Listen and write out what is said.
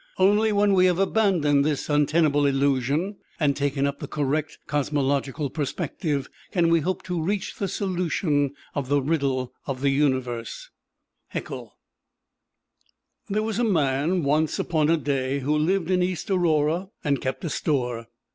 Only when we have abandoned this untenable illusion, and taken up the correct cosmological perspective, can we hope to reach the solution of the Riddle of the Universe. Haeckel HAECKEL There was a man, once upon a day, who lived in East Aurora and kept a store.